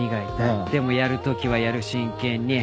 「でもやる時はやる真剣に」